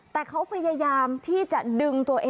แต่เขาพยายามที่จะดึงทางนั้น